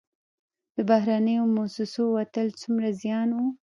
د بهرنیو موسسو وتل څومره زیان و؟